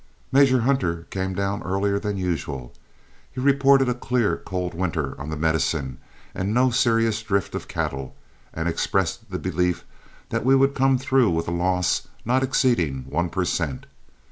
Major Hunter came down earlier than usual. He reported a clear, cold winter on the Medicine and no serious drift of cattle, and expressed the belief that we would come through with a loss not exceeding one per cent.